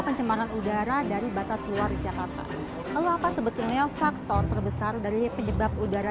kemanan udara dari batas luar jakarta melaka sebetulnya faktor terbesar dari penyebab udara